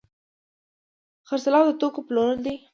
خرڅلاو د توکو پلورل دي.